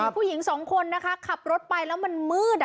ผู้หญิงสองคนนะคะขับรถไปแล้วมันมืด